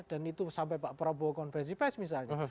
dan itu sampai pak prabowo konfirmasi pes misalnya